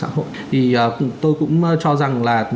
thì tôi cũng cho rằng là